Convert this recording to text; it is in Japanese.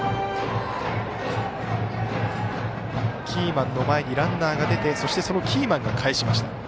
キーマンの前にランナーが出てそして、そのキーマンがかえしました